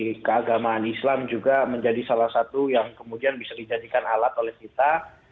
dari keagamaan islam juga menjadi salah satu yang kemudian bisa dijadikan alat oleh kita